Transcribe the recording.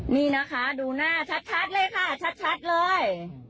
นี่นะคะดูหน้าชัดเลยค่ะชัดเลย